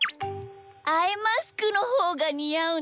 アイマスクのほうがにあうんじゃない？